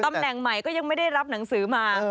ตำแหน่งใหม่ก็ยังไม่ได้รับหนังสือมา